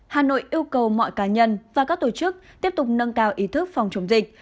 hà nội yêu cầu mọi cá nhân và các tổ chức tiếp tục nâng cao ý thức phòng chống dịch